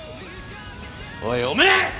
おいおめえ！